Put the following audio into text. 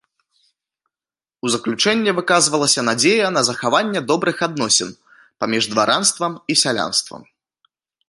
У заключэнне выказвалася надзея на захаванне добрых адносін паміж дваранствам і сялянствам.